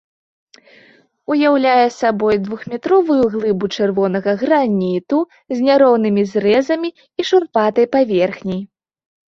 Уяўляе сабой двухметровую глыбу чырвонага граніту з няроўнымі зрэзамі і шурпатай паверхняй.